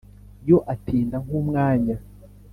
iyo atinda nk’umwanya